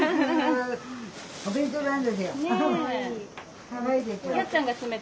お弁当なんですよ。